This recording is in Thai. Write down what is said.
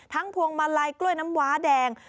พวงมาลัยกล้วยน้ำว้าแดง